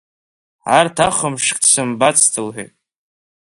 Арҭ ахымшк дсымбац лҳәеит.